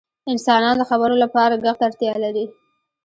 • انسانان د خبرو لپاره ږغ ته اړتیا لري.